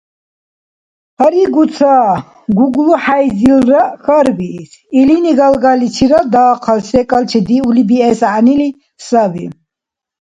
Гьаригу ца, ГуглахӀяйзилра хьарбиис. Илини галгаличирад дахъал секӀал чедиули биэс гӀягӀнили саби.